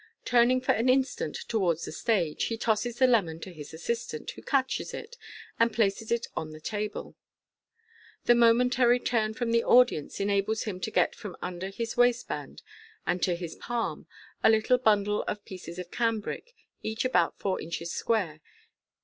Turning for an instant towards the stage, he tosses the lemon to his assis tant, who catches it, and places it on the table. The momentary turn from the audience enables him to get from under his waist band, and to palm, a little bundle of pieces of cambric, eacfc about four inches square.